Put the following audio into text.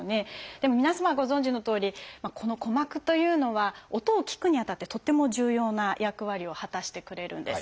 でも皆様ご存じのとおりこの鼓膜というのは音を聞くにあたってとっても重要な役割を果たしてくれるんです。